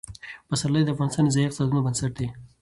پسرلی د افغانستان د ځایي اقتصادونو بنسټ دی.